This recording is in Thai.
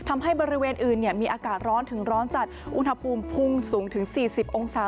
มีอากาศร้อนถึงร้อนจัดอุนทภูมิพุ่งสูงถึงสี่สี่องศา